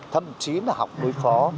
thậm chí là học đối phó